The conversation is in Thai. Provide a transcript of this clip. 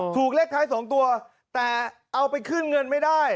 ถูกเลขท้าย๒ตัวแต่เอาไปขึ้นเงินไม่ได้